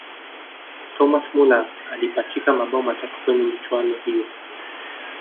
thomas muller alipachika mabao matatu kwenye michuano hiyo